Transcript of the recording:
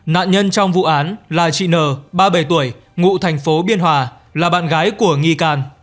nạn nhân trong vụ án là chị n ba mươi bảy tuổi ngụ thành phố biên hòa là bạn gái của nghi can